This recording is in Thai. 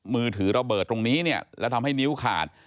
มือถือระเบิดตรงนี้เนี่ยแล้วทำให้นิ้วขาด